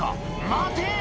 待て！」